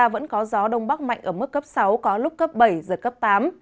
vẫn có gió đông bắc mạnh ở mức cấp sáu có lúc cấp bảy giật cấp tám